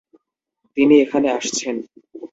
তিনি এখানে আসছেন!